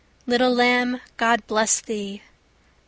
Little lamb, God bless thee!